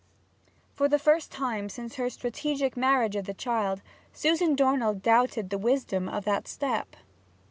For the first time since her strategic marriage of the child, Susan Dornell doubted the wisdom of that step.